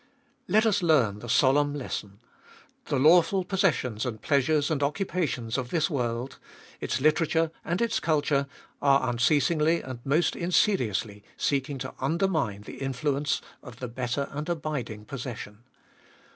Let us learn the solemn lesson : the lawful possessions and 412 Cbe Dolicst of 2UI pleasures and occupations of this world, its literature and its cul ture, are unceasingly and most insidiously seeking to undermine the influence of the better and abiding possession.